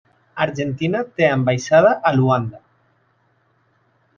Argentina té ambaixada a Luanda.